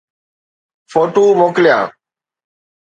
photo موڪليا